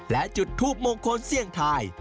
และจุดทูปมงคลเสี่ยงทาย